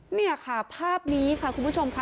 นี่ค่ะภาพนี้ค่ะคุณผู้ชมค่ะ